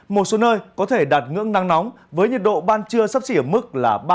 một số nơi có thể đạt ngưỡng nắng nóng với nhiệt độ ban trưa sắp xỉ ở mức